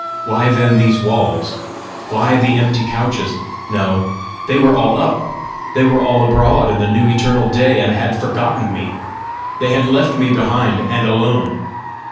Why then these walls? why the empty couches? No; they were all up! they were all abroad in the new eternal day, and had forgotten me! They had left me behind, and alone!